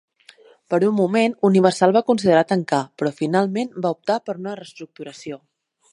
Per un moment, Universal va considerar tancar, però finalment va optar per una reestructuració.